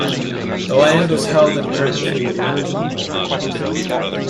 The land was held in perpetuity.